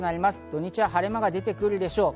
土日は晴れ間が出てくるでしょう。